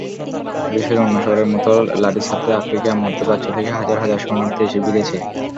গ্রিসের অন্য শহরের মতো লারিসাতে আফ্রিকা-মধ্যপ্রাচ্য থেকে হাজার হাজার শরণার্থী এসে ভিড়েছে।